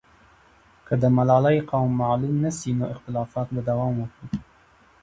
که د ملالۍ قوم معلوم نه سي، نو اختلافات به دوام وکړي.